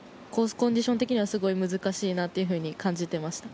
コンディション的にはすごい難しいなと感じていました。